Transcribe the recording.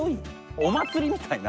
お祭りみたいな派手な。